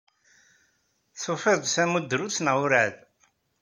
Tufiḍ-d tamudrut neɣ werɛad?